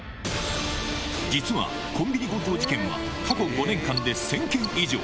実はコンビニ強盗事件は、過去５年間で１０００件以上。